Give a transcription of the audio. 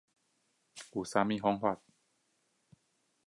有什麼方法